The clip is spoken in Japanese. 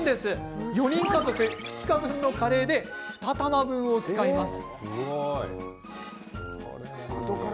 ４人家族、２日分のカレーで２玉分を使います。